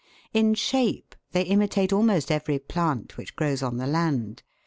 In shape they imitate almost every plant which grows on the land.